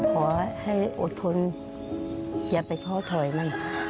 ขอให้อดทนอย่าไปท้อถอยมัน